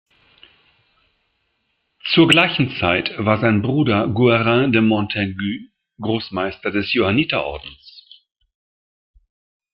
Zur gleichen Zeit war sein Bruder Guerin de Montaigu Großmeister des Johanniterordens.